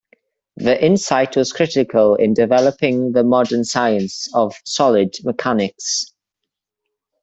The insight was critical in developing the modern science of solid mechanics.